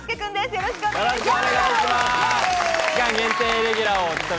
よろしくお願いします。